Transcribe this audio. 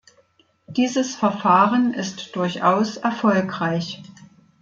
Dieses Verfahren ist durchaus erfolgreich.